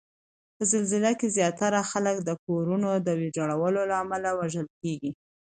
په زلزله کې زیاتره خلک د کورونو د ویجاړولو له امله وژل کیږي